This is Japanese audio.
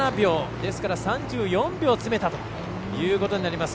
ですから３４秒詰めたということになります。